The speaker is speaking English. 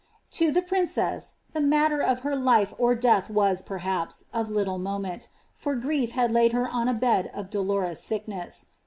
To the princess, the matter of her life or death was, perhaps, of little moment, for grief had laid her on a bed of dolorous sickness.